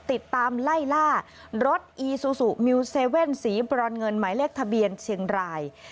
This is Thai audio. ติดตามไล่ล่ารถอีซูซูมิวเซเว่นสีบรอนเงินหมายเลขทะเบียนเชียงราย